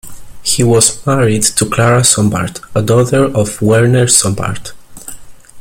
He was married to Clara Sombart, a daughter of Werner Sombart.